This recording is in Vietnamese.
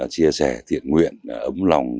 chia sẻ thiện nguyện ấm lòng